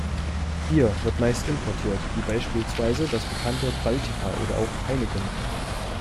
Bier wird meist importiert, wie beispielsweise das bekannte Baltika oder auch Heineken.